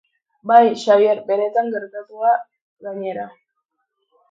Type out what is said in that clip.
Bai, Xabier, benetan gertatua gainera.